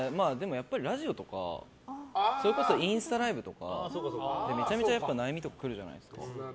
やっぱりラジオとかそれこそインスタライブとかでめちゃくちゃ悩みとか来るじゃないですか。